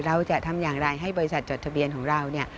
เราจะทำอย่างไรให้บริษัทจดทะเบียนของเราเนี่ย